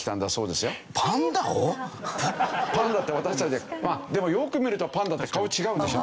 パンダって私たちまあでもよく見るとパンダって顔違うでしょ？